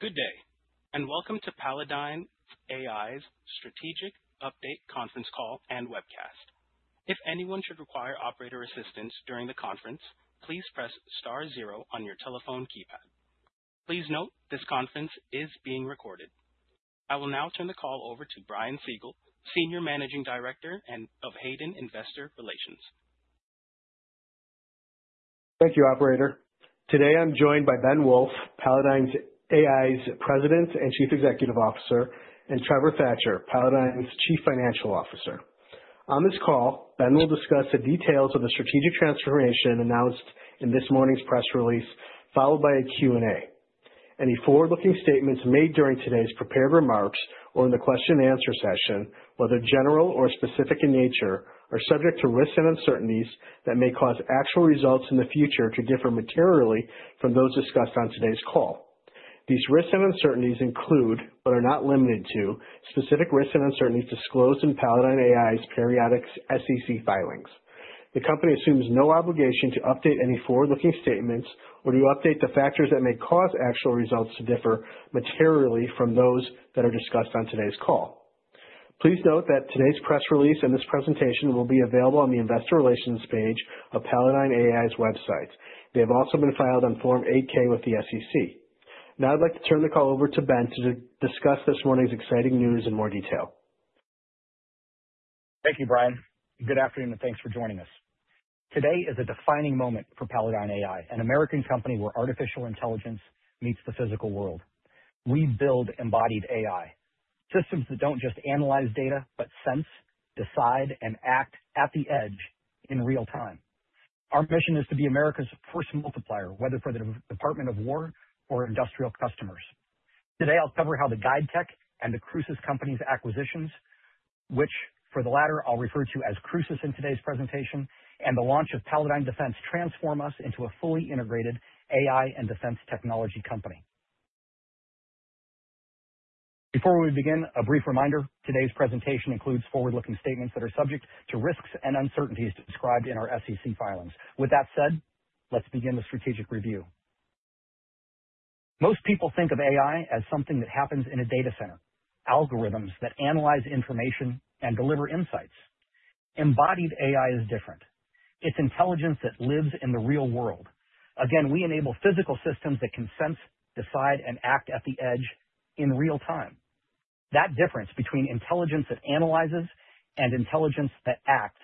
Good day, and welcome to Palladyne AI's strategic update conference call and webcast. If anyone should require operator assistance during the conference, please press star zero on your telephone keypad. Please note this conference is being recorded. I will now turn the call over to Brian Siegel, Senior Managing Director of Hayden Investor Relations. Thank you, Operator. Today I'm joined by Ben Wolff, Palladyne AI's President and Chief Executive Officer, and Trevor Thatcher, Palladyne AI's Chief Financial Officer. On this call, Ben will discuss the details of the strategic transformation announced in this morning's press release, followed by a Q&A. Any forward-looking statements made during today's prepared remarks or in the question-and-answer session, whether general or specific in nature, are subject to risks and uncertainties that may cause actual results in the future to differ materially from those discussed on today's call. These risks and uncertainties include, but are not limited to, specific risks and uncertainties disclosed in Palladyne AI's periodic SEC filings. The company assumes no obligation to update any forward-looking statements or to update the factors that may cause actual results to differ materially from those that are discussed on today's call. Please note that today's press release and this presentation will be available on the Investor Relations page of Palladyne AI's website. They have also been filed on Form 8-K with the SEC. Now I'd like to turn the call over to Ben to discuss this morning's exciting news in more detail. Thank you, Brian. Good afternoon, and thanks for joining us. Today is a defining moment for Palladyne AI, an American company where artificial intelligence meets the physical world. We build embodied AI systems that do not just analyze data, but sense, decide, and act at the edge in real time. Our mission is to be America's first multiplier, whether for the Department of Defense or industrial customers. Today I will cover how the GuideTech and the Crucis Company's acquisitions, which for the latter I will refer to as Crucis in today's presentation, and the launch of Palladyne Defense transform us into a fully integrated AI and defense technology company. Before we begin, a brief reminder: today's presentation includes forward-looking statements that are subject to risks and uncertainties described in our SEC filings. With that said, let's begin the strategic review. Most people think of AI as something that happens in a data center, algorithms that analyze information and deliver insights. Embodied AI is different. It's intelligence that lives in the real world. Again, we enable physical systems that can sense, decide, and act at the edge in real time. That difference between intelligence that analyzes and intelligence that acts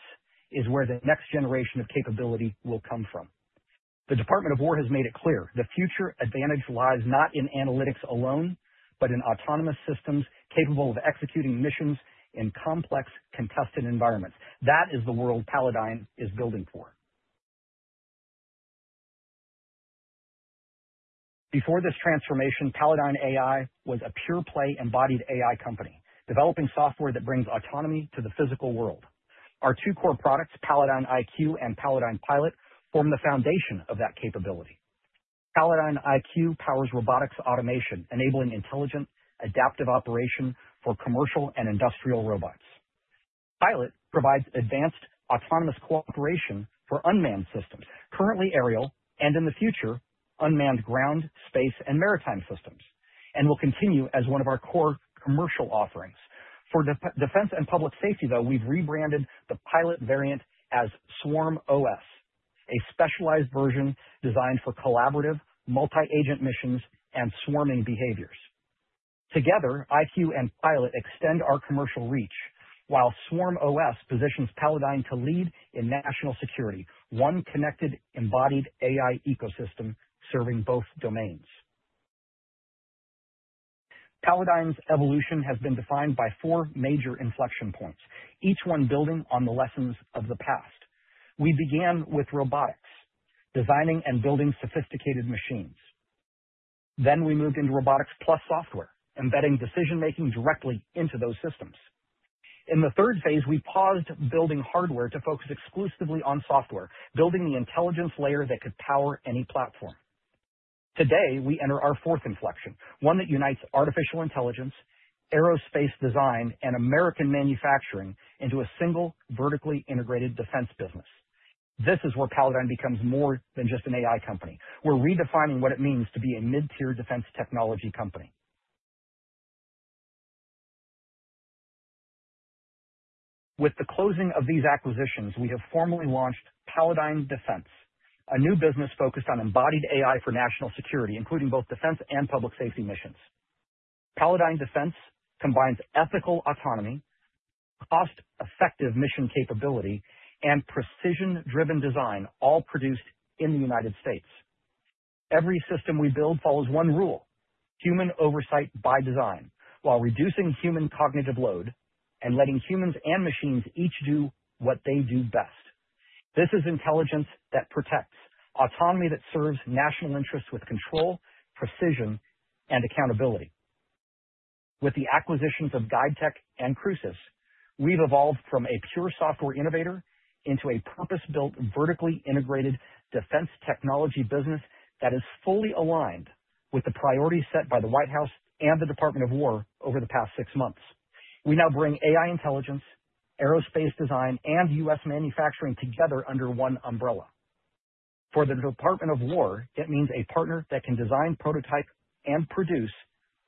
is where the next generation of capability will come from. The Department of Defense has made it clear the future advantage lies not in analytics alone, but in autonomous systems capable of executing missions in complex, contested environments. That is the world Palladyne is building for. Before this transformation, Palladyne AI was a pure-play embodied AI company, developing software that brings autonomy to the physical world. Our two core products, Palladyne IQ and Palladyne Pilot, form the foundation of that capability. Palladyne IQ powers robotics automation, enabling intelligent, adaptive operation for commercial and industrial robots. Pilot provides advanced autonomous cooperation for unmanned systems, currently aerial, and in the future, unmanned ground, space, and maritime systems, and will continue as one of our core commercial offerings. For defense and public safety, though, we have rebranded the Pilot variant as SwarmOs, a specialized version designed for collaborative, multi-agent missions and swarming behaviors. Together, IQ and Pilot extend our commercial reach, while SwarmOs positions Palladyne to lead in national security, one connected embodied AI ecosystem serving both domains. Palladyne's evolution has been defined by four major inflection points, each one building on the lessons of the past. We began with robotics, designing and building sophisticated machines. Then we moved into robotics plus software, embedding decision-making directly into those systems. In the third phase, we paused building hardware to focus exclusively on software, building the intelligence layer that could power any platform. Today we enter our fourth inflection, one that unites artificial intelligence, aerospace design, and American manufacturing into a single vertically integrated defense business. This is where Palladyne becomes more than just an AI company. We're redefining what it means to be a mid-tier defense technology company. With the closing of these acquisitions, we have formally launched Palladyne Defense, a new business focused on embodied AI for national security, including both defense and public safety missions. Palladyne Defense combines ethical autonomy, cost-effective mission capability, and precision-driven design, all produced in the United States. Every system we build follows one rule: human oversight by design, while reducing human cognitive load and letting humans and machines each do what they do best. This is intelligence that protects, autonomy that serves national interests with control, precision, and accountability. With the acquisitions of GuideTech and Crucis, we've evolved from a pure software innovator into a purpose-built, vertically integrated defense technology business that is fully aligned with the priorities set by the White House and the Department of Defense over the past six months. We now bring AI intelligence, aerospace design, and U.S. manufacturing together under one umbrella. For the Department of Defense, it means a partner that can design, prototype, and produce,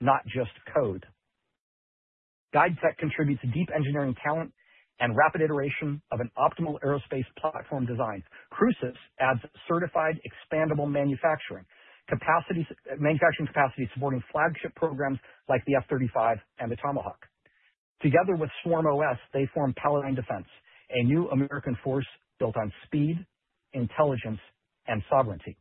not just code. GuideTech contributes deep engineering talent and rapid iteration of an optimal aerospace platform design. Crucis adds certified, expandable manufacturing capacity, manufacturing capacity supporting flagship programs like the F-35 and the Tomahawk. Together with SwarmOs, they form Palladyne Defense, a new American force built on speed, intelligence, and sovereignty.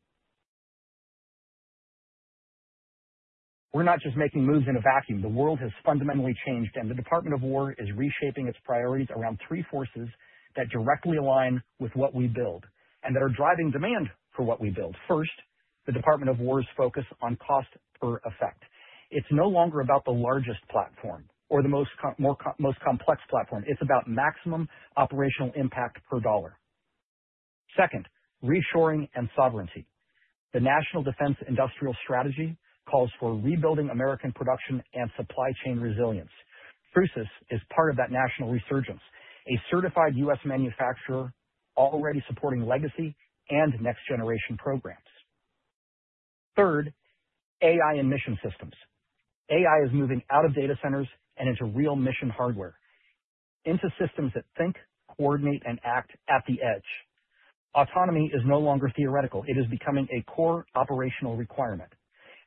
We're not just making moves in a vacuum. The world has fundamentally changed, and the Department of Defense is reshaping its priorities around three forces that directly align with what we build and that are driving demand for what we build. First, the Department of Defense's focus on cost per effect. It's no longer about the largest platform or the most complex platform. It's about maximum operational impact per dollar. Second, reshoring and sovereignty. The National Defense Industrial Strategy calls for rebuilding American production and supply chain resilience. Crucis is part of that national resurgence, a certified U.S. manufacturer already supporting legacy and next-generation programs. Third, AI and mission systems. AI is moving out of data centers and into real mission hardware, into systems that think, coordinate, and act at the edge. Autonomy is no longer theoretical. It is becoming a core operational requirement.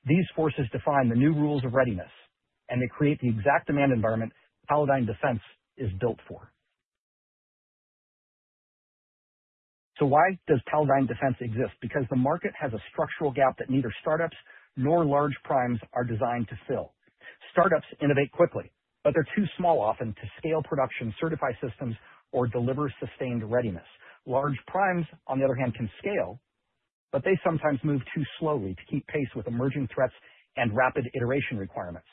These forces define the new rules of readiness, and they create the exact demand environment Palladyne Defense is built for. Why does Palladyne Defense exist? Because the market has a structural gap that neither startups nor large primes are designed to fill. Startups innovate quickly, but they're too small often to scale production, certify systems, or deliver sustained readiness. Large primes, on the other hand, can scale, but they sometimes move too slowly to keep pace with emerging threats and rapid iteration requirements.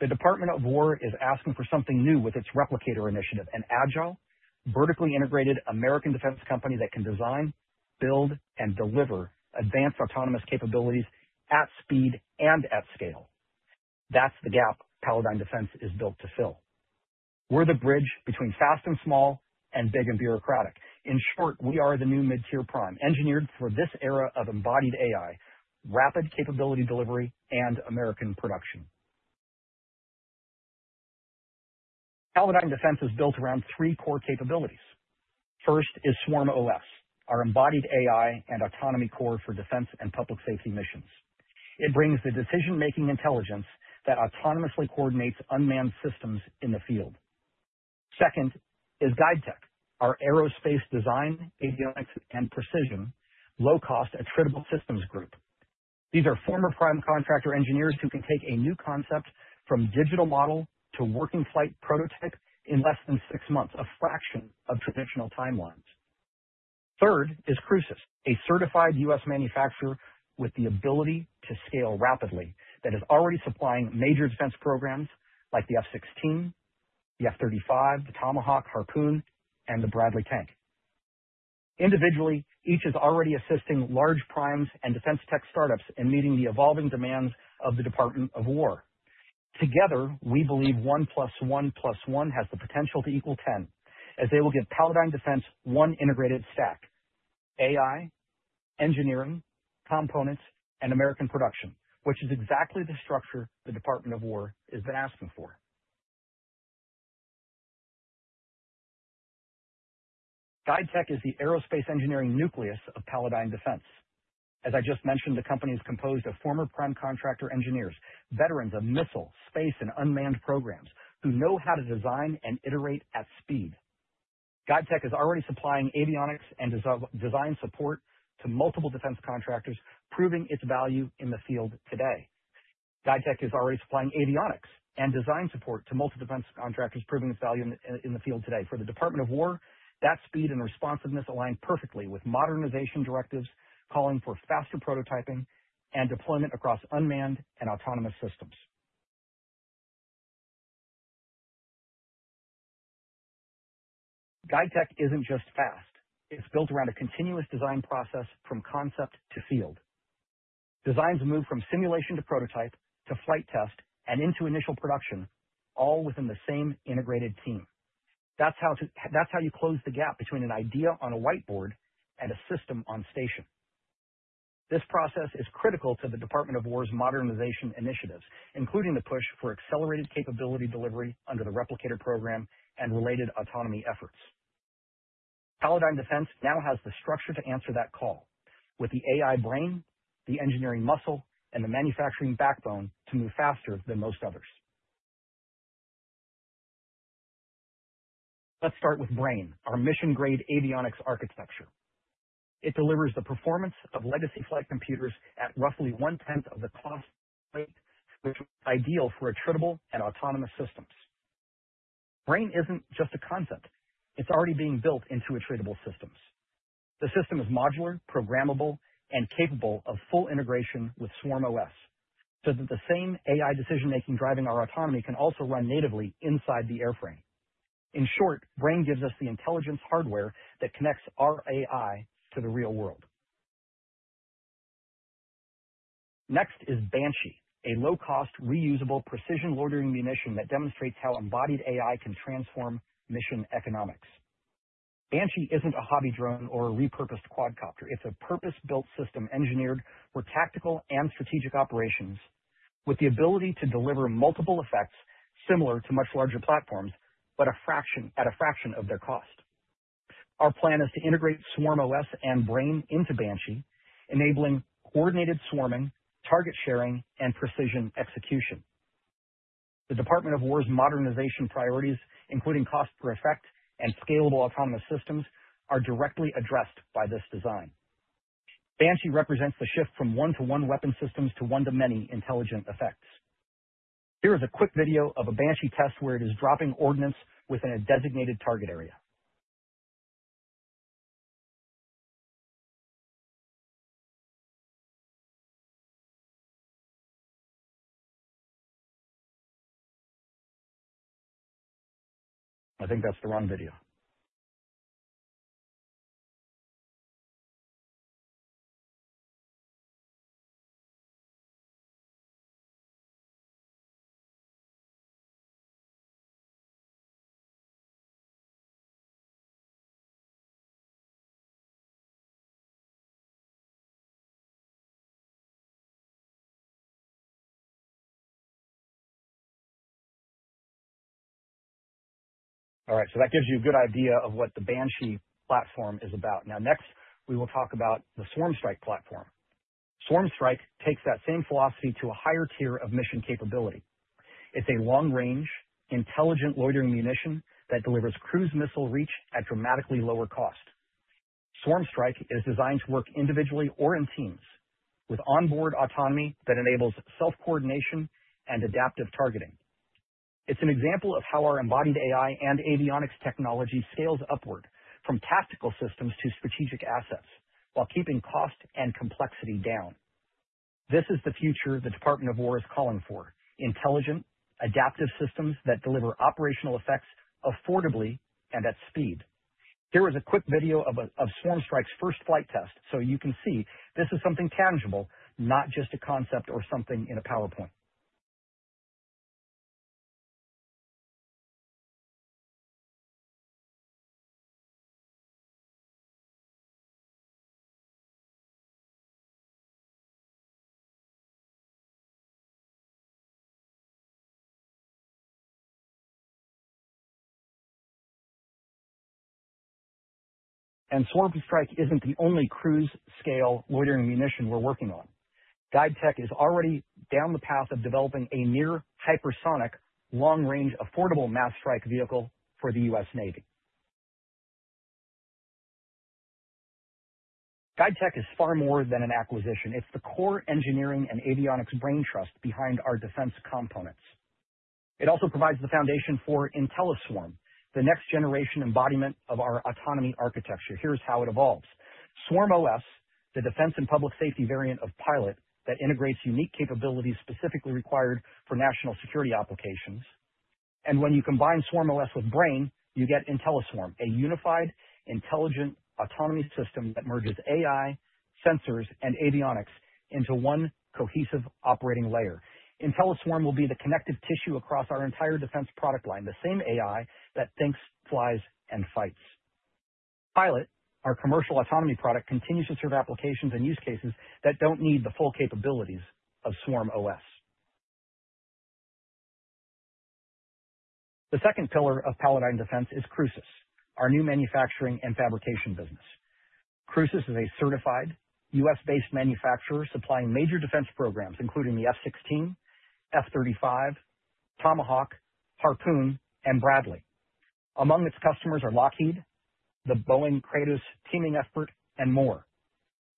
The Department of Defense is asking for something new with its replicator initiative, an agile, vertically integrated American defense company that can design, build, and deliver advanced autonomous capabilities at speed and at scale. That's the gap Palladyne Defense is built to fill. We're the bridge between fast and small and big and bureaucratic. In short, we are the new mid-tier prime engineered for this era of embodied AI, rapid capability delivery, and American production. Palladyne Defense is built around three core capabilities. First is SwarmOs, our embodied AI and autonomy core for defense and public safety missions. It brings the decision-making intelligence that autonomously coordinates unmanned systems in the field. Second is GuideTech, our aerospace design, avionics, and precision low-cost, attributable systems group. These are former prime contractor engineers who can take a new concept from digital model to working flight prototype in less than six months, a fraction of traditional timelines. Third is Crucis, a certified U.S. manufacturer with the ability to scale rapidly that is already supplying major defense programs like the F-16, the F-35, the Tomahawk, Harpoon, and the Bradley tank. Individually, each is already assisting large primes and defense tech startups in meeting the evolving demands of the Department of Defense. Together, we believe one plus one plus one has the potential to equal ten, as they will give Palladyne Defense one integrated stack: AI, engineering, components, and American production, which is exactly the structure the Department of Defense has been asking for. GuideTech is the aerospace engineering nucleus of Palladyne Defense. As I just mentioned, the company is composed of former prime contractor engineers, veterans of missile, space, and unmanned programs who know how to design and iterate at speed. GuideTech is already supplying avionics and design support to multiple defense contractors, proving its value in the field today. GuideTech is already supplying avionics and design support to multiple defense contractors, proving its value in the field today. For the Department of Defense, that speed and responsiveness align perfectly with modernization directives calling for faster prototyping and deployment across unmanned and autonomous systems. GuideTech isn't just fast. It's built around a continuous design process from concept to field. Designs move from simulation to prototype to flight test and into initial production, all within the same integrated team. That's how you close the gap between an idea on a whiteboard and a system on station. This process is critical to the Department of Defense's modernization initiatives, including the push for accelerated capability delivery under the Replicator program and related autonomy efforts. Palladyne Defense now has the structure to answer that call with the AI BRAIN, the engineering muscle, and the manufacturing backbone to move faster than most others. Let's start with BRAIN, our mission-grade avionics architecture. It delivers the performance of legacy flight computers at roughly one-tenth of the cost, which is ideal for attributable and autonomous systems. BRAIN isn't just a concept. It's already being built into attributable systems. The system is modular, programmable, and capable of full integration with SwarmOs, so that the same AI decision-making driving our autonomy can also run natively inside the airframe. In short, BRAIN gives us the intelligence hardware that connects our AI to the real world. Next is Banshee, a low-cost, reusable precision loitering munition that demonstrates how embodied AI can transform mission economics. Banshee isn't a hobby drone or a repurposed quadcopter. It's a purpose-built system engineered for tactical and strategic operations with the ability to deliver multiple effects similar to much larger platforms, but at a fraction of their cost. Our plan is to integrate SwarmOs and BRAIN into Banshee, enabling coordinated swarming, target sharing, and precision execution. The Department of Defense's modernization priorities, including cost per effect and scalable autonomous systems, are directly addressed by this design. Banshee represents the shift from one-to-one weapon systems to one-to-many intelligent effects. Here is a quick video of a Banshee test where it is dropping ordnance within a designated target area. I think that's the wrong video. All right, so that gives you a good idea of what the Banshee platform is about. Now, next, we will talk about the SwarmStrike platform. SwarmStrike takes that same philosophy to a higher tier of mission capability. It's a long-range, intelligent loitering munition that delivers cruise missile reach at dramatically lower cost. SwarmStrike is designed to work individually or in teams with onboard autonomy that enables self-coordination and adaptive targeting. It's an example of how our embodied AI and avionics technology scales upward from tactical systems to strategic assets while keeping cost and complexity down. This is the future the Department of Defense is calling for: intelligent, adaptive systems that deliver operational effects affordably and at speed. Here is a quick video of SwarmStrike's first flight test, so you can see this is something tangible, not just a concept or something in a PowerPoint. SwarmStrike isn't the only cruise-scale loitering munition we're working on. GuideTech is already down the path of developing a near-hypersonic, long-range, affordable mass strike vehicle for the U.S. Navy. GuideTech is far more than an acquisition. It's the core engineering and avionics BRAIN trust behind our defense components. It also provides the foundation for IntelliSwarm, the next-generation embodiment of our autonomy architecture. Here's how it evolves: SwarmOs, the defense and public safety variant of Pilot that integrates unique capabilities specifically required for national security applications. When you combine SwarmOs with BRAIN, you get IntelliSwarm, a unified, intelligent autonomy system that merges AI, sensors, and avionics into one cohesive operating layer. IntelliSwarm will be the connective tissue across our entire defense product line, the same AI that thinks, flies, and fights. Pilot, our commercial autonomy product, continues to serve applications and use cases that do not need the full capabilities of SwarmOs. The second pillar of Palladyne Defense is Crucis, our new manufacturing and fabrication business. Crucis is a certified U.S.-based manufacturer supplying major defense programs, including the F-16, F-35, Tomahawk, Harpoon, and Bradley. Among its customers are Lockheed Martin, the Boeing Kratos teaming effort, and more.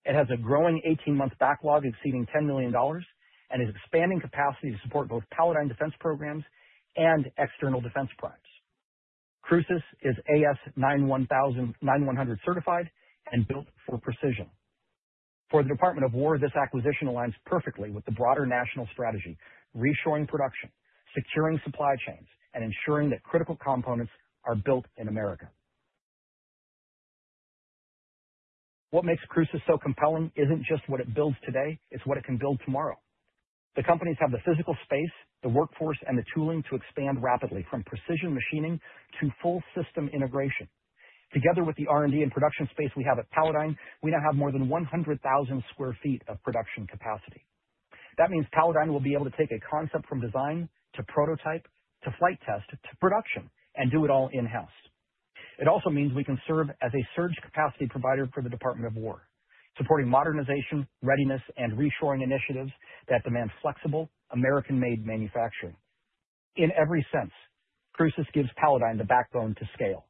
It has a growing 18-month backlog exceeding $10 million and is expanding capacity to support both Palladyne Defense programs and external defense primes. Crucis is AS9100 certified and built for precision. For the Department of Defense, this acquisition aligns perfectly with the broader national strategy: reshoring production, securing supply chains, and ensuring that critical components are built in America. What makes Crucis so compelling is not just what it builds today; it is what it can build tomorrow. The companies have the physical space, the workforce, and the tooling to expand rapidly from precision machining to full system integration. Together with the R&D and production space we have at Palladyne, we now have more than 100,000 sq ft of production capacity. That means Palladyne will be able to take a concept from design to prototype to flight test to production and do it all in-house. It also means we can serve as a surge capacity provider for the Department of Defense, supporting modernization, readiness, and reshoring initiatives that demand flexible, American-made manufacturing. In every sense, Crucis gives Palladyne the backbone to scale.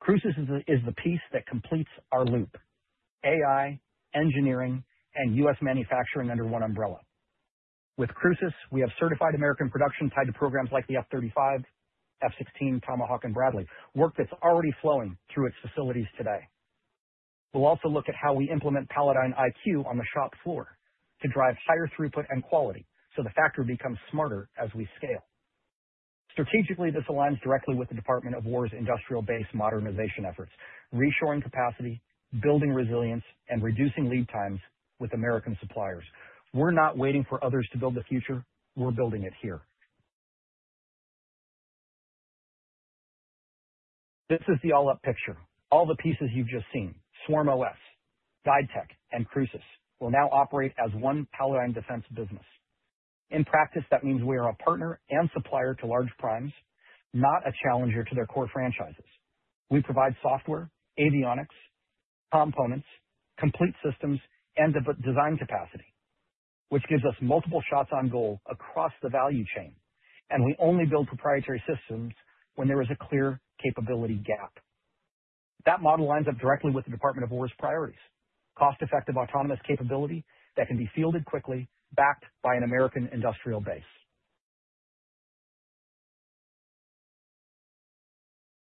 Crucis is the piece that completes our loop: AI, engineering, and U.S. manufacturing under one umbrella. With Crucis, we have certified American production tied to programs like the F-35, F-16, Tomahawk, and Bradley, work that's already flowing through its facilities today. We'll also look at how we implement Palladyne IQ on the shop floor to drive higher throughput and quality so the factory becomes smarter as we scale. Strategically, this aligns directly with the Department of Defense's industrial base modernization efforts: reshoring capacity, building resilience, and reducing lead times with American suppliers. We're not waiting for others to build the future; we're building it here. This is the all-up picture. All the pieces you've just seen: SwarmOs, GuideTech, and Crucis will now operate as one Palladyne Defense business. In practice, that means we are a partner and supplier to large primes, not a challenger to their core franchises. We provide software, avionics, components, complete systems, and design capacity, which gives us multiple shots on goal across the value chain. We only build proprietary systems when there is a clear capability gap. That model lines up directly with the Department of Defense's priorities: cost-effective autonomous capability that can be fielded quickly, backed by an American industrial base.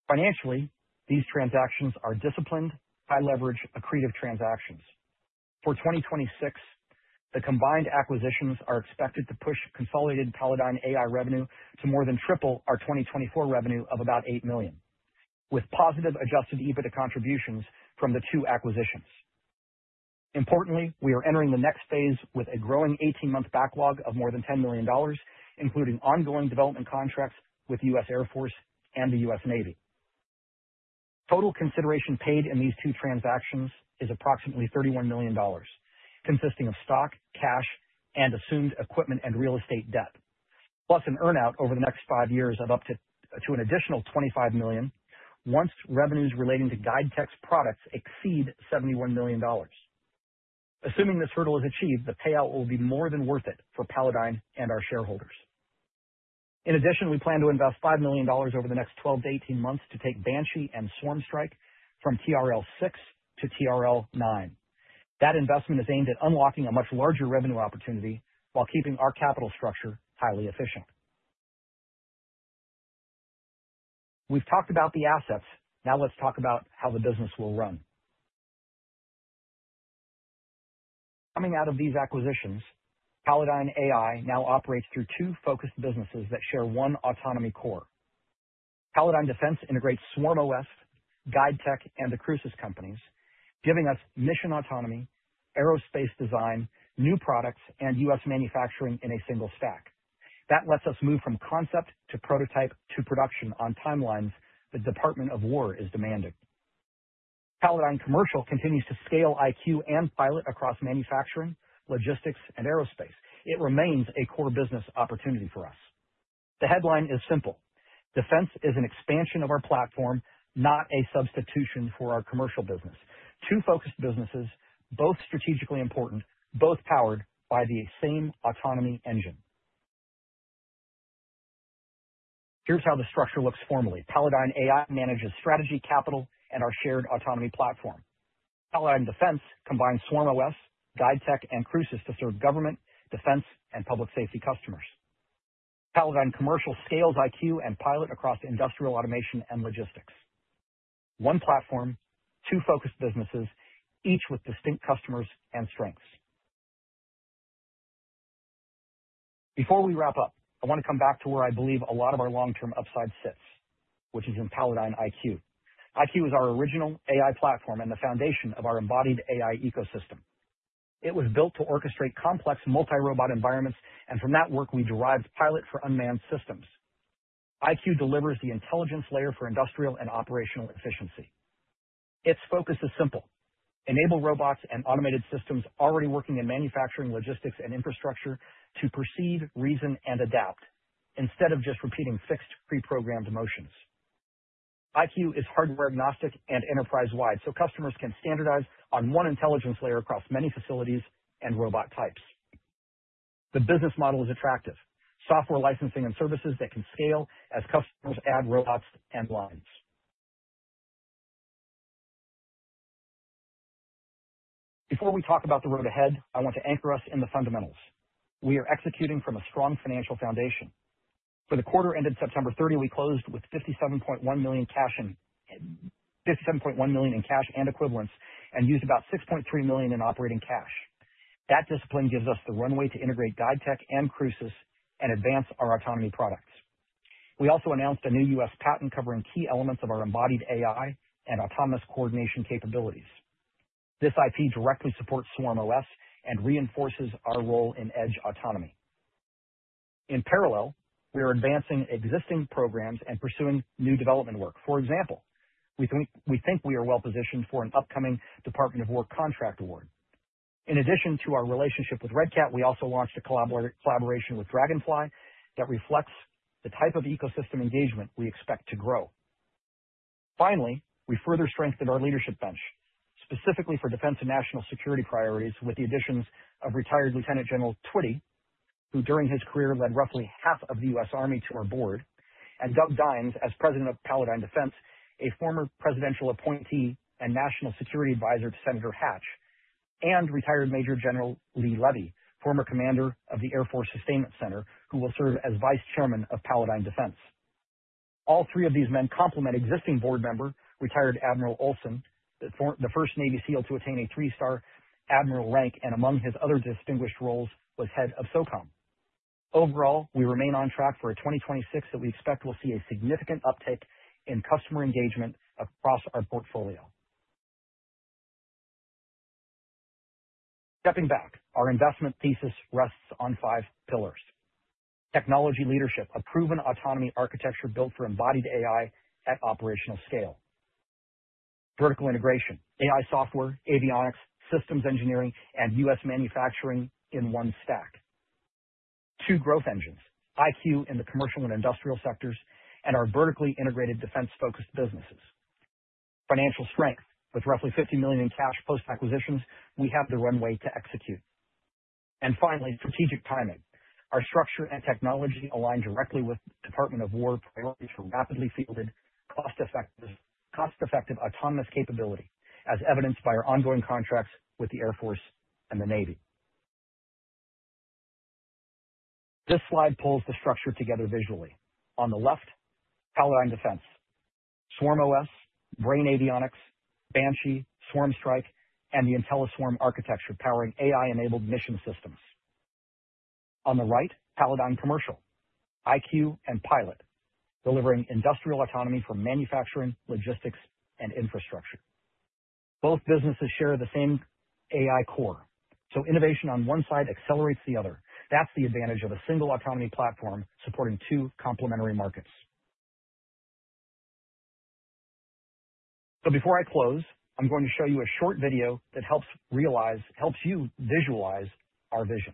Financially, these transactions are disciplined, high-leverage, accretive transactions. For 2026, the combined acquisitions are expected to push consolidated Palladyne AI revenue to more than triple our 2024 revenue of about $8 million, with positive adjusted EBITDA contributions from the two acquisitions. Importantly, we are entering the next phase with a growing 18-month backlog of more than $10 million, including ongoing development contracts with the U.S. Air Force and the U.S. Navy. Total consideration paid in these two transactions is approximately $31 million, consisting of stock, cash, and assumed equipment and real estate debt, plus an earnout over the next five years of up to an additional $25 million once revenues relating to GuideTech's products exceed $71 million. Assuming this hurdle is achieved, the payout will be more than worth it for Palladyne and our shareholders. In addition, we plan to invest $5 million over the next 12-18 months to take Banshee and SwarmStrike from TRL-6 to TRL-9. That investment is aimed at unlocking a much larger revenue opportunity while keeping our capital structure highly efficient. We've talked about the assets. Now let's talk about how the business will run. Coming out of these acquisitions, Palladyne AI now operates through two focused businesses that share one autonomy core. Palladyne Defense integrates SwarmOs, GuideTech, and the Crucis companies, giving us mission autonomy, aerospace design, new products, and U.S. manufacturing in a single stack. That lets us move from concept to prototype to production on timelines the Department of Defense is demanding. Palladyne Commercial continues to scale IQ and Pilot across manufacturing, logistics, and aerospace. It remains a core business opportunity for us. The headline is simple: Defense is an expansion of our platform, not a substitution for our commercial business. Two focused businesses, both strategically important, both powered by the same autonomy engine. Here's how the structure looks formally. Palladyne AI manages strategy, capital, and our shared autonomy platform. Palladyne Defense combines SwarmOs, GuideTech, and Crucis to serve government, defense, and public safety customers. Palladyne Commercial scales IQ and Pilot across industrial automation and logistics. One platform, two focused businesses, each with distinct customers and strengths. Before we wrap up, I want to come back to where I believe a lot of our long-term upside sits, which is in Palladyne IQ. IQ is our original AI platform and the foundation of our embodied AI ecosystem. It was built to orchestrate complex multi-robot environments, and from that work, we derived Pilot for unmanned systems. IQ delivers the intelligence layer for industrial and operational efficiency. Its focus is simple: enable robots and automated systems already working in manufacturing, logistics, and infrastructure to perceive, reason, and adapt, instead of just repeating fixed, pre-programmed motions. IQ is hardware-agnostic and enterprise-wide, so customers can standardize on one intelligence layer across many facilities and robot types. The business model is attractive: software licensing and services that can scale as customers add robots and lines. Before we talk about the road ahead, I want to anchor us in the fundamentals. We are executing from a strong financial foundation. For the quarter ended September 30, we closed with $57.1 million in cash and equivalents and used about $6.3 million in operating cash. That discipline gives us the runway to integrate GuideTech and Crucis and advance our autonomy products. We also announced a new U.S. patent covering key elements of our embodied AI and autonomous coordination capabilities. This IP directly supports SwarmOs and reinforces our role in edge autonomy. In parallel, we are advancing existing programs and pursuing new development work. For example, we think we are well-positioned for an upcoming Department of Defense contract award. In addition to our relationship with RedCat, we also launched a collaboration with Draganfly that reflects the type of ecosystem engagement we expect to grow. Finally, we further strengthened our leadership bench, specifically for defense and national security priorities, with the additions of retired Lieutenant General Twitty, who during his career led roughly half of the U.S. Army to our board, and Doug Dynes as President of Palladyne Defense, a former presidential appointee and national security advisor to Senator Hatch, and retired Major General Lee Levy, former commander of the Air Force Sustainment Center, who will serve as Vice Chairman of Palladyne Defense. All three of these men complement existing board member, retired Admiral Olson, the first Navy SEAL to attain a three-star admiral rank, and among his other distinguished roles was head of SOCOM. Overall, we remain on track for a 2026 that we expect will see a significant uptick in customer engagement across our portfolio. Stepping back, our investment thesis rests on five pillars: technology leadership, a proven autonomy architecture built for embodied AI at operational scale; vertical integration: AI software, avionics, systems engineering, and U.S. manufacturing in one stack; two growth engines: IQ in the commercial and industrial sectors and our vertically integrated defense-focused businesses; financial strength: with roughly $50 million in cash post-acquisitions, we have the runway to execute; and finally, strategic timing. Our structure and technology align directly with the Department of Defense priorities for rapidly fielded cost-effective autonomous capability, as evidenced by our ongoing contracts with the Air Force and the Navy. This slide pulls the structure together visually. On the left, Palladyne Defense: SwarmOs, BRAIN Avionics, Banshee, SwarmStrike, and the IntelliSwarm architecture powering AI-enabled mission systems. On the right, Palladyne Commercial: IQ and Pilot, delivering industrial autonomy for manufacturing, logistics, and infrastructure. Both businesses share the same AI core, so innovation on one side accelerates the other. That is the advantage of a single autonomy platform supporting two complementary markets. Before I close, I am going to show you a short video that helps realize, helps you visualize our vision.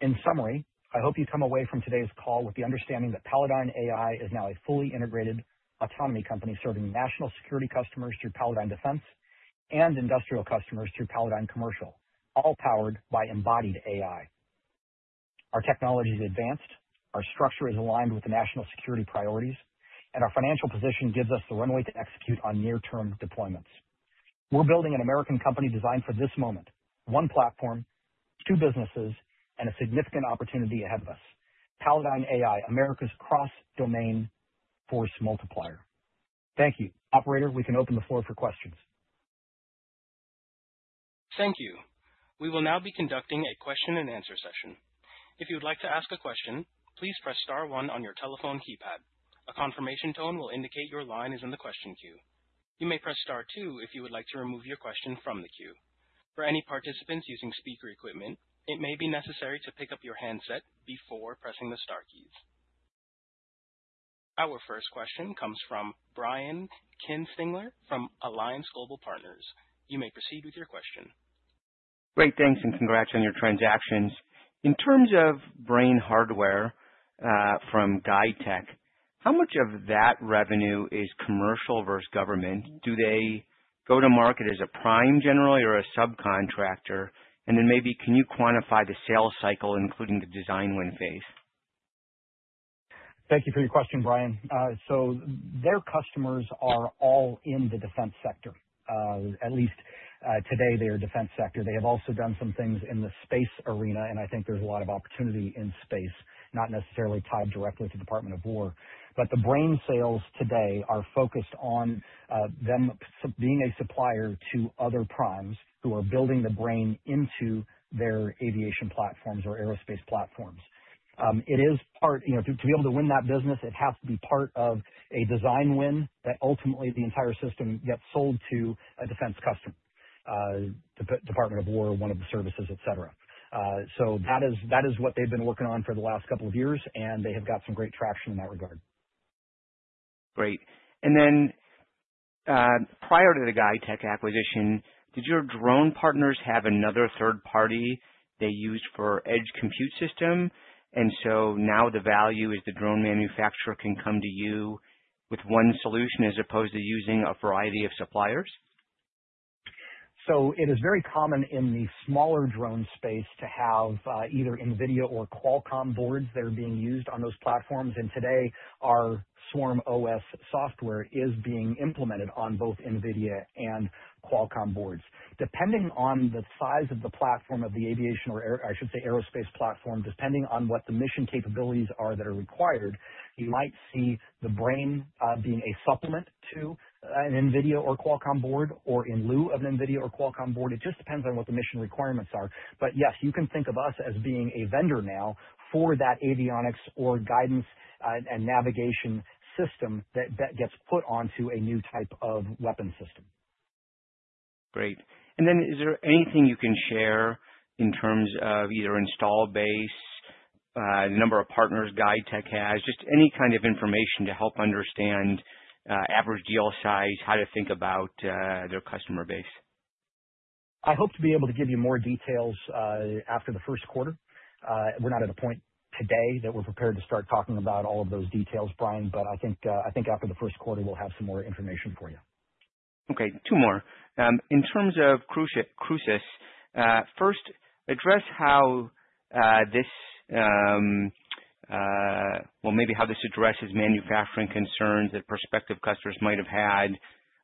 In summary, I hope you come away from today's call with the understanding that Palladyne AI is now a fully integrated autonomy company serving national security customers through Palladyne Defense and industrial customers through Palladyne Commercial, all powered by embodied AI. Our technology is advanced, our structure is aligned with national security priorities, and our financial position gives us the runway to execute on near-term deployments. We're building an American company designed for this moment: one platform, two businesses, and a significant opportunity ahead of us: Palladyne AI, America's cross-domain force multiplier. Thank you. Operator, we can open the floor for questions. Thank you. We will now be conducting a question-and-answer session. If you would like to ask a question, please press star one on your telephone keypad. A confirmation tone will indicate your line is in the question queue. You may press star two if you would like to remove your question from the queue. For any participants using speaker equipment, it may be necessary to pick up your handset before pressing the star keys. Our first question comes from Brian Kinstlinger from Alliance Global Partners. You may proceed with your question. Great. Thanks, and congrats on your transactions. In terms of BRAIN hardware from GuideTech, how much of that revenue is commercial versus government? Do they go to market as a prime general or a subcontractor? And then maybe, can you quantify the sales cycle, including the design win phase? Thank you for your question, Brian. Their customers are all in the defense sector. At least today, they are defense sector. They have also done some things in the space arena, and I think there is a lot of opportunity in space, not necessarily tied directly to the Department of Defense. The BRAIN sales today are focused on them being a supplier to other primes who are building the BRAIN into their aviation platforms or aerospace platforms. It is part, you know, to be able to win that business, it has to be part of a design win that ultimately the entire system gets sold to a defense customer: the Department of Defense, one of the services, etc. That is what they've been working on for the last couple of years, and they have got some great traction in that regard. Great. Prior to the GuideTech acquisition, did your drone partners have another third party they used for edge compute system? Now the value is the drone manufacturer can come to you with one solution as opposed to using a variety of suppliers? It is very common in the smaller drone space to have either NVIDIA or Qualcomm boards that are being used on those platforms. Today, our SwarmOs software is being implemented on both NVIDIA and Qualcomm boards. Depending on the size of the platform of the aviation or, I should say, aerospace platform, depending on what the mission capabilities are that are required, you might see the BRAIN being a supplement to an NVIDIA or Qualcomm board or in lieu of an NVIDIA or Qualcomm board. It just depends on what the mission requirements are. Yes, you can think of us as being a vendor now for that avionics or guidance and navigation system that gets put onto a new type of weapon system. Great. Is there anything you can share in terms of either install base, the number of partners GuideTech has, just any kind of information to help understand average deal size, how to think about their customer base? I hope to be able to give you more details after the first quarter. We're not at a point today that we're prepared to start talking about all of those details, Brian, but I think after the first quarter, we'll have some more information for you. Okay. Two more. In terms of Crucis, first, address how this, well, maybe how this addresses manufacturing concerns that prospective customers might have had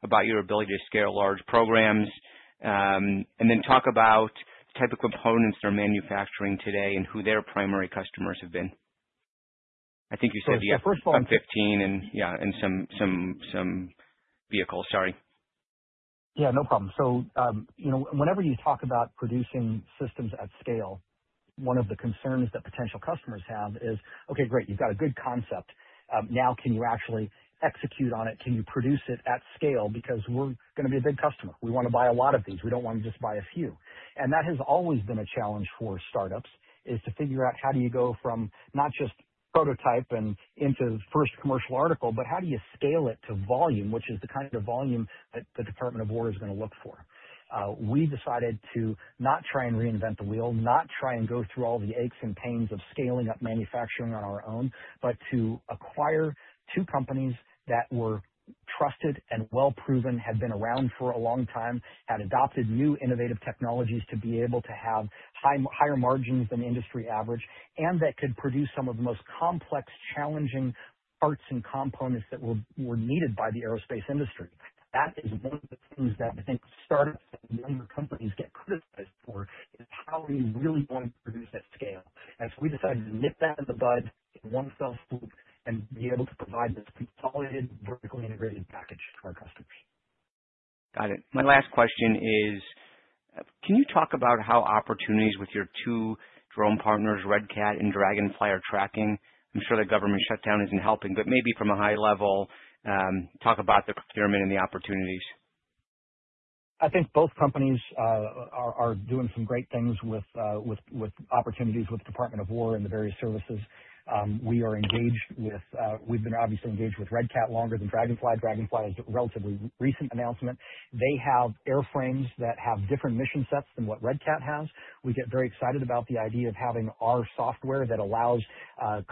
about your ability to scale large programs, and then talk about the type of components they're manufacturing today and who their primary customers have been. I think you said the F-16 and, yeah, and some vehicles. Sorry. Yeah, no problem. You know, whenever you talk about producing systems at scale, one of the concerns that potential customers have is, "Okay, great. You've got a good concept. Now, can you actually execute on it? Can you produce it at scale? Because we're going to be a big customer. We want to buy a lot of these. We don't want to just buy a few. That has always been a challenge for startups, is to figure out how do you go from not just prototype and into first commercial article, but how do you scale it to volume, which is the kind of volume that the Department of Defense is going to look for. We decided to not try and reinvent the wheel, not try and go through all the aches and pains of scaling up manufacturing on our own, but to acquire two companies that were trusted and well-proven, had been around for a long time, had adopted new innovative technologies to be able to have higher margins than industry average, and that could produce some of the most complex, challenging parts and components that were needed by the aerospace industry. That is one of the things that I think startups and younger companies get criticized for, is how are you really going to produce at scale? We decided to nip that in the bud in one fell swoop and be able to provide this consolidated, vertically integrated package to our customers. Got it. My last question is, can you talk about how opportunities with your two drone partners, RedCat and Draganfly, are tracking? I'm sure the government shutdown isn't helping, but maybe from a high level, talk about the procurement and the opportunities. I think both companies are doing some great things with opportunities with the Department of Defense and the various services we are engaged with. We've been obviously engaged with RedCat longer than Draganfly. Draganfly is a relatively recent announcement. They have airframes that have different mission sets than what RedCat has. We get very excited about the idea of having our software that allows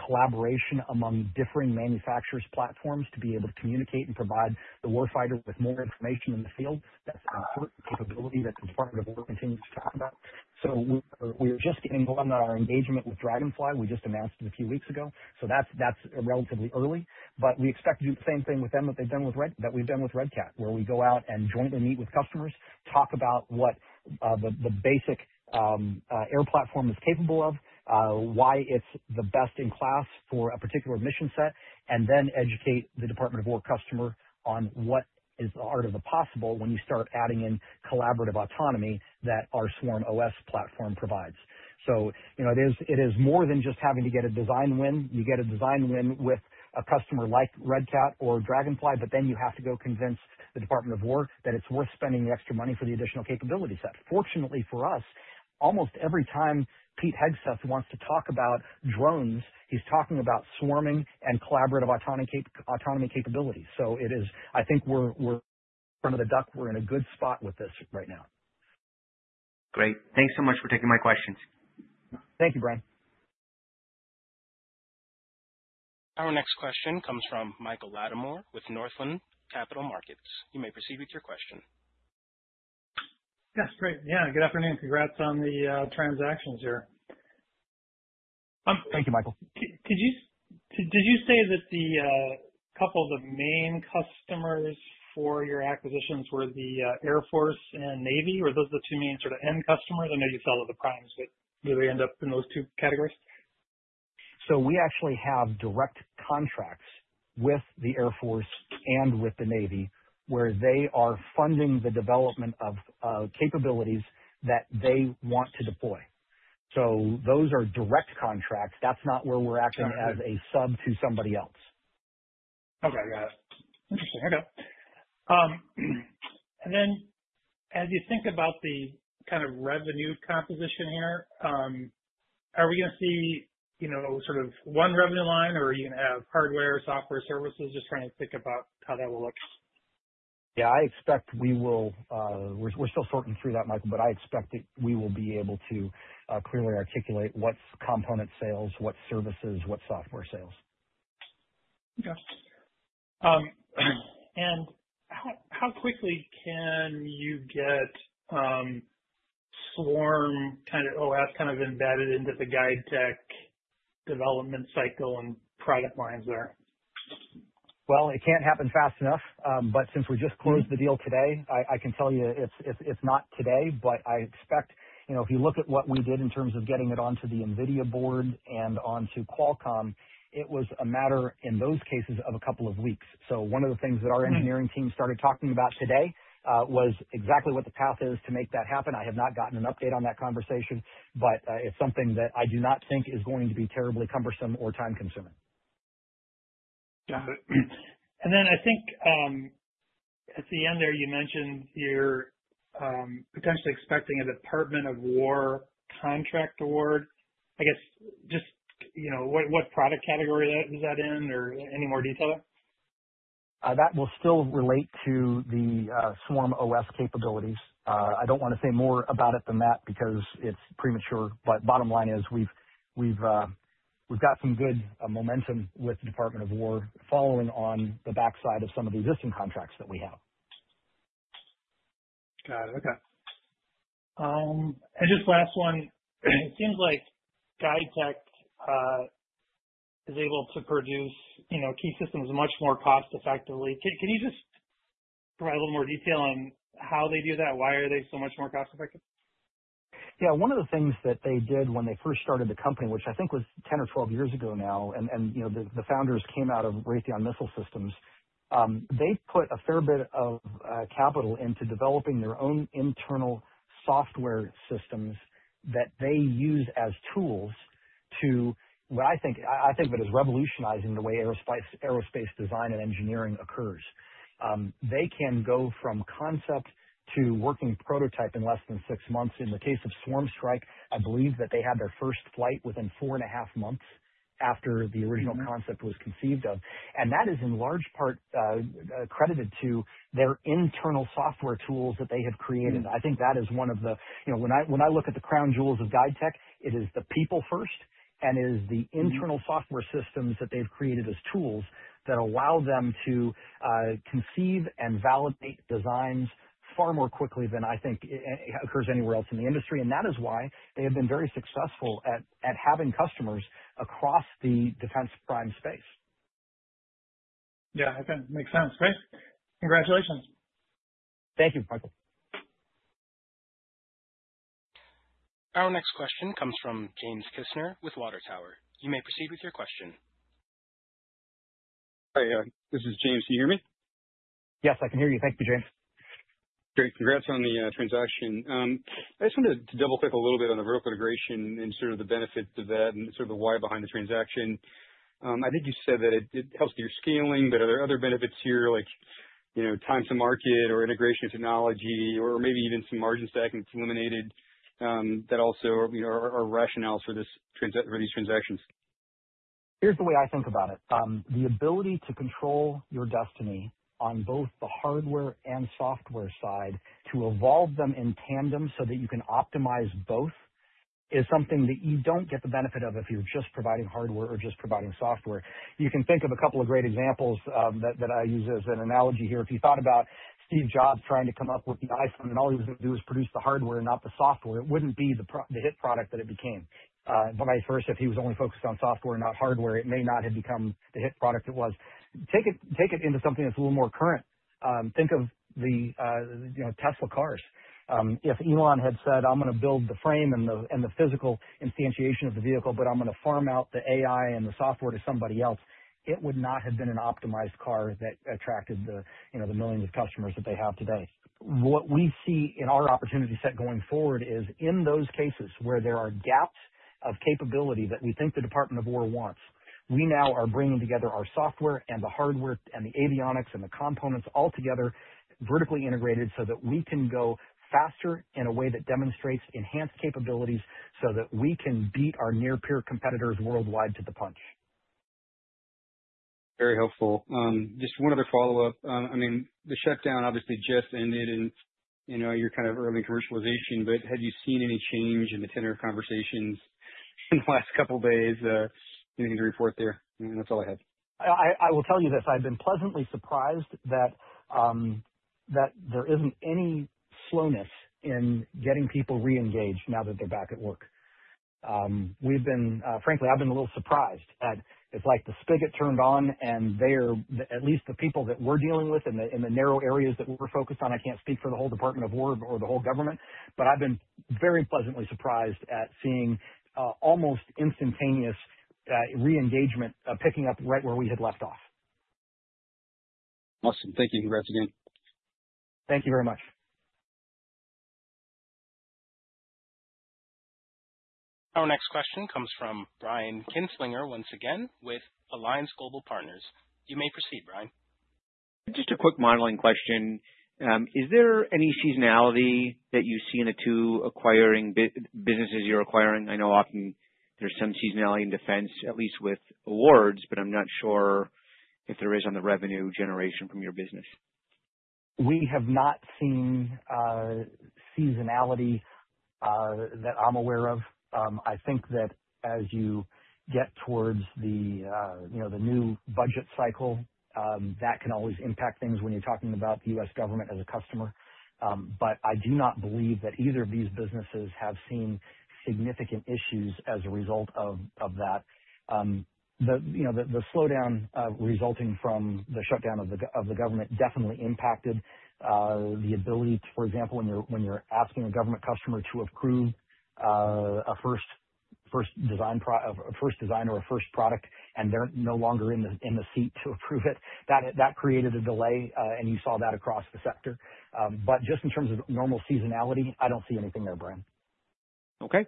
collaboration among differing manufacturers' platforms to be able to communicate and provide the Warfighter with more information in the field. That's an important capability that the Department of Defense continues to talk about. We are just getting on our engagement with Draganfly. We just announced it a few weeks ago. That's relatively early, but we expect to do the same thing with them that we've done with Redcat, where we go out and jointly meet with customers, talk about what the basic air platform is capable of, why it's the best in class for a particular mission set, and then educate the Department of Defense customer on what is the art of the possible when you start adding in collaborative autonomy that our SwarmOs platform provides. You know, it is more than just having to get a design win. You get a design win with a customer like RedCat or Draganfly, but then you have to go convince the Department of Defense that it's worth spending the extra money for the additional capability set. Fortunately for us, almost every time Pete Hegseth wants to talk about drones, he's talking about swarming and collaborative autonomy capabilities. I think we're in front of the duck. We're in a good spot with this right now. Great. Thanks so much for taking my questions. Thank you, Brian. Our next question comes from Michael Latimore with Northland Capital Markets. You may proceed with your question. Yes. Great. Yeah. Good afternoon. Congrats on the transactions here. Thank you, Michael. Did you say that a couple of the main customers for your acquisitions were the Air Force and Navy? Were those the two main sort of end customers? I know you sell to the primes, but do they end up in those two categories? We actually have direct contracts with the Air Force and with the Navy where they are funding the development of capabilities that they want to deploy. Those are direct contracts. That's not where we're acting as a sub to somebody else. Okay. Got it. Interesting. Okay. As you think about the kind of revenue composition here, are we going to see, you know, sort of one revenue line, or are you going to have hardware, software, services? Just trying to think about how that will look. Yeah. I expect we will—we're still sorting through that, Michael, but I expect that we will be able to clearly articulate what's component sales, what's services, what's software sales. Okay. How quickly can you get Swarm kind of OS kind of embedded into the GuideTech development cycle and product lines there? It can't happen fast enough, but since we just closed the deal today, I can tell you it's not today, but I expect, you know, if you look at what we did in terms of getting it onto the NVIDIA board and onto Qualcomm, it was a matter in those cases of a couple of weeks. One of the things that our engineering team started talking about today was exactly what the path is to make that happen. I have not gotten an update on that conversation, but it's something that I do not think is going to be terribly cumbersome or time-consuming. Got it. I think at the end there, you mentioned you're potentially expecting a Department of Defense contract award. I guess just, you know, what product category is that in or any more detail there? That will still relate to the SwarmOs capabilities. I do not want to say more about it than that because it is premature, but bottom line is we have got some good momentum with the Department of Defense following on the backside of some of the existing contracts that we have. Got it. Okay. Just last one, it seems like GuideTech is able to produce, you know, key systems much more cost-effectively. Can you just provide a little more detail on how they do that? Why are they so much more cost-effective? Yeah. One of the things that they did when they first started the company, which I think was 10 or 12 years ago now, and, you know, the founders came out of Raytheon Missile Systems, they put a fair bit of capital into developing their own internal software systems that they use as tools to, well, I think that is revolutionizing the way aerospace design and engineering occurs. They can go from concept to working prototype in less than six months. In the case of SwarmStrike, I believe that they had their first flight within four and a half months after the original concept was conceived of. That is in large part credited to their internal software tools that they have created. I think that is one of the, you know, when I look at the crown jewels of GuideTech, it is the people first, and it is the internal software systems that they've created as tools that allow them to conceive and validate designs far more quickly than I think occurs anywhere else in the industry. That is why they have been very successful at having customers across the defense prime space. Yeah. Okay. Makes sense. Great. Congratulations. Thank you, Michael. Our next question comes from James Kisner with Water Tower. You may proceed with your question. Hi, this is James. Can you hear me? Yes, I can hear you. Thank you, James. Great. Congrats on the transaction. I just wanted to double-click a little bit on the vertical integration and sort of the benefits of that and sort of the why behind the transaction. I think you said that it helps with your scaling, but are there other benefits here, like, you know, time to market or integration technology or maybe even some margin stacking that's eliminated that also, you know, are rationales for these transactions? Here's the way I think about it. The ability to control your destiny on both the hardware and software side to evolve them in tandem so that you can optimize both is something that you don't get the benefit of if you're just providing hardware or just providing software. You can think of a couple of great examples that I use as an analogy here. If you thought about Steve Jobs trying to come up with the iPhone and all he was going to do is produce the hardware and not the software, it wouldn't be the hit product that it became. Vice versa, if he was only focused on software and not hardware, it may not have become the hit product it was. Take it into something that's a little more current. Think of the, you know, Tesla cars. If Elon had said, "I'm going to build the frame and the physical instantiation of the vehicle, but I'm going to farm out the AI and the software to somebody else," it would not have been an optimized car that attracted the, you know, the millions of customers that they have today. What we see in our opportunity set going forward is in those cases where there are gaps of capability that we think the Department of Defense wants, we now are bringing together our software and the hardware and the avionics and the components all together, vertically integrated so that we can go faster in a way that demonstrates enhanced capabilities so that we can beat our near-peer competitors worldwide to the punch. Very helpful. Just one other follow-up. I mean, the shutdown obviously just ended in, you know, your kind of early commercialization, but have you seen any change in the tenor of conversations in the last couple of days? Anything to report there? That's all I have. I will tell you this. I've been pleasantly surprised that there isn't any slowness in getting people re-engaged now that they're back at work. We've been, frankly, I've been a little surprised at, it's like the spigot turned on and they're, at least the people that we're dealing with in the narrow areas that we're focused on, I can't speak for the whole Department of Defense or the whole government, but I've been very pleasantly surprised at seeing almost instantaneous re-engagement picking up right where we had left off. Awesome. Thank you. Congrats again. Thank you very much. Our next question comes from Brian Kinstlinger once again with Alliance Global Partners. You may proceed, Brian. Just a quick modeling question. Is there any seasonality that you see in the two acquiring businesses you're acquiring? I know often there's some seasonality in defense, at least with awards, but I'm not sure if there is on the revenue generation from your business. We have not seen seasonality that I'm aware of. I think that as you get towards the, you know, the new budget cycle, that can always impact things when you're talking about the U.S. government as a customer. I do not believe that either of these businesses have seen significant issues as a result of that. The, you know, the slowdown resulting from the shutdown of the government definitely impacted the ability to, for example, when you're asking a government customer to approve a first design or a first product and they're no longer in the seat to approve it, that created a delay and you saw that across the sector. Just in terms of normal seasonality, I don't see anything there, Brian. Okay.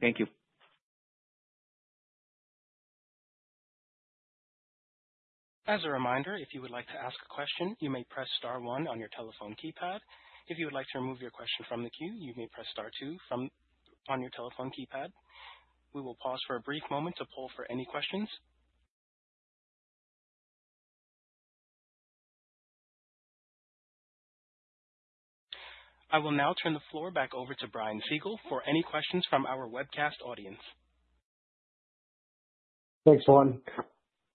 Thank you. As a reminder, if you would like to ask a question, you may press star one on your telephone keypad. If you would like to remove your question from the queue, you may press star two on your telephone keypad. We will pause for a brief moment to pull for any questions. I will now turn the floor back over to Brian Siegel for any questions from our Webcast audience. Thanks, Juan.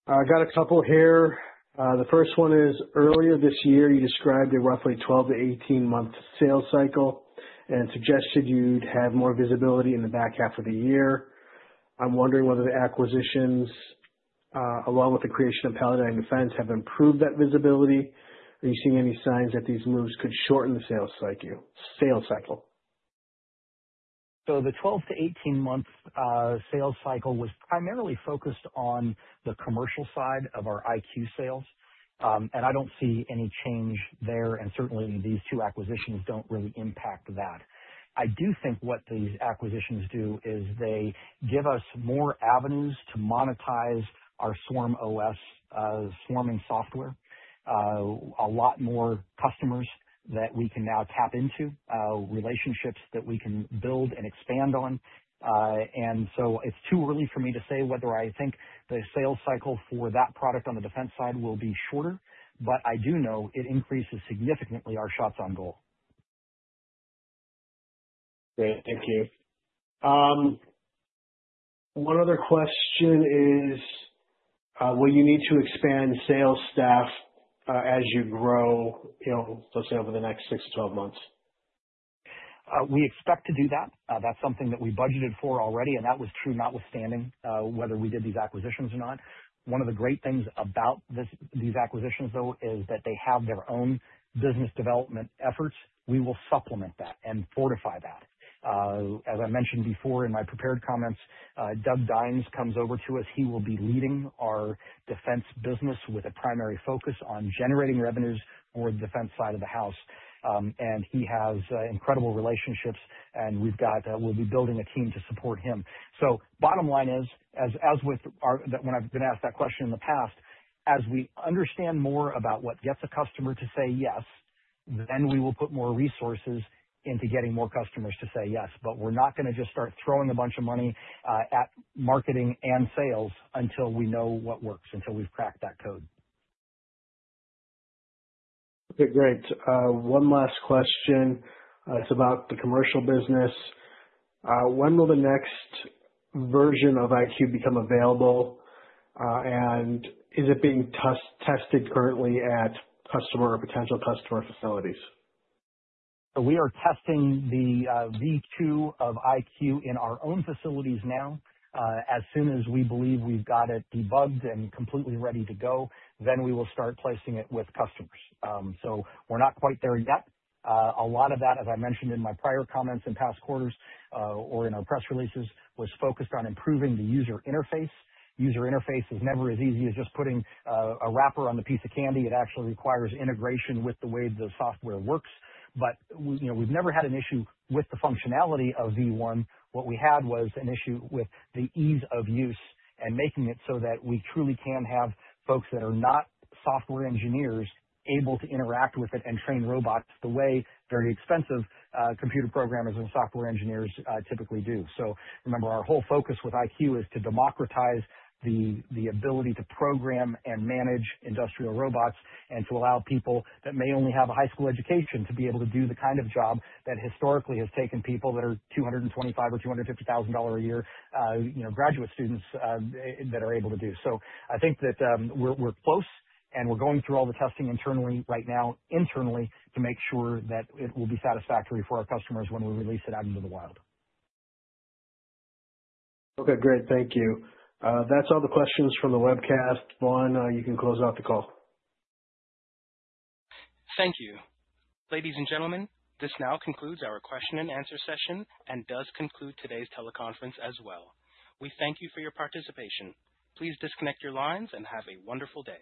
I got a couple here. The first one is earlier this year, you described a roughly 12-18 month sales cycle and suggested you'd have more visibility in the back half of the year. I'm wondering whether the acquisitions, along with the creation of Palladyne Defense, have improved that visibility. Are you seeing any signs that these moves could shorten the sales cycle? The 12-18 month sales cycle was primarily focused on the commercial side of our IQ sales, and I don't see any change there, and certainly these two acquisitions don't really impact that. I do think what these acquisitions do is they give us more avenues to monetize our SwarmOs swarming software, a lot more customers that we can now tap into, relationships that we can build and expand on. It is too early for me to say whether I think the sales cycle for that product on the defense side will be shorter, but I do know it increases significantly our shots on goal. Great. Thank you. One other question is, will you need to expand sales staff as you grow, you know, let's say over the next 6-12 months? We expect to do that. That is something that we budgeted for already, and that was true notwithstanding whether we did these acquisitions or not. One of the great things about these acquisitions, though, is that they have their own business development efforts. We will supplement that and fortify that. As I mentioned before in my prepared comments, Doug Dines comes over to us. He will be leading our defense business with a primary focus on generating revenues for the defense side of the house. He has incredible relationships, and we've got—we'll be building a team to support him. Bottom line is, as with when I've been asked that question in the past, as we understand more about what gets a customer to say yes, then we will put more resources into getting more customers to say yes. We're not going to just start throwing a bunch of money at marketing and sales until we know what works, until we've cracked that code. Okay. Great. One last question. It's about the commercial business. When will the next version of IQ become available, and is it being tested currently at customer or potential customer facilities? We are testing the V2 of IQ in our own facilities now. As soon as we believe we've got it debugged and completely ready to go, we will start placing it with customers. We are not quite there yet. A lot of that, as I mentioned in my prior comments in past quarters or in our press releases, was focused on improving the user interface. User interface is never as easy as just putting a wrapper on the piece of candy. It actually requires integration with the way the software works. But, you know, we've never had an issue with the functionality of V1. What we had was an issue with the ease of use and making it so that we truly can have folks that are not software engineers able to interact with it and train robots the way very expensive computer programmers and software engineers typically do. Remember, our whole focus with IQ is to democratize the ability to program and manage industrial robots and to allow people that may only have a high school education to be able to do the kind of job that historically has taken people that are $225,000 or $250,000 a year, you know, graduate students that are able to do. I think that we're close and we're going through all the testing internally right now, internally, to make sure that it will be satisfactory for our customers when we release it out into the wild. Okay. Great. Thank you. That's all the questions from the Webcast. Juan, you can close out the call. Thank you. Ladies and gentlemen, this now concludes our question and answer session and does conclude today's teleconference as well. We thank you for your participation. Please disconnect your lines and have a wonderful day.